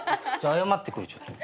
謝ってくるちょっと。